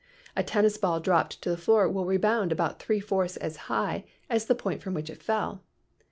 A tennis ball dropped to the floor will rebound about three fourths as high as the point from which it fell.